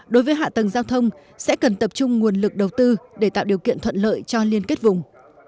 đối với hạ tầng giao thông sẽ cần tập trung nguồn lực đầu tư để tạo điều kiện thuận lợi cho liên kết vùng